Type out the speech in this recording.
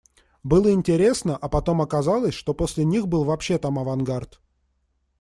Было интересно, а потом оказалось, что после них был вообще там авангард.